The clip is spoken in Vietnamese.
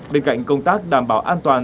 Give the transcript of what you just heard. bên cạnh công tác đảm bảo an toàn